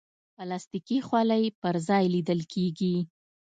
پلاستيکي خولۍ هر ځای لیدل کېږي.